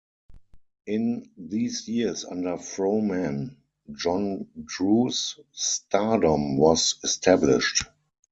In these years under Frohman, John Drew's stardom was established.